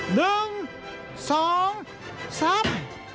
หนึ่งสองสาม